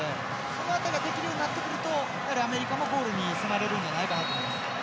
その辺りができるようになってくるとアメリカもゴールに迫れるんじゃないかと思います。